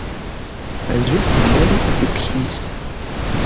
Azul fell-am a tukyist!